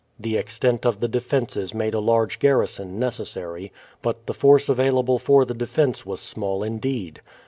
The extent of the defences made a large garrison necessary; but the force available for the defence was small indeed.